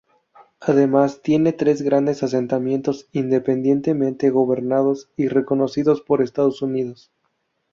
Además, tienen tres grandes asentamientos independientemente gobernados y reconocidos por Estados Unidos.